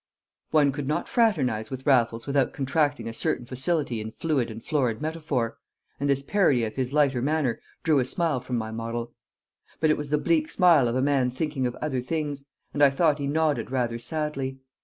One could not fraternise with Raffles without contracting a certain facility in fluent and florid metaphor; and this parody of his lighter manner drew a smile from my model. But it was the bleak smile of a man thinking of other things, and I thought he nodded rather sadly.